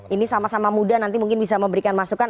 ini sama sama muda nanti mungkin bisa memberikan masukan